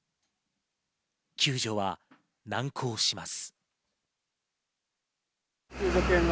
救助は難航します。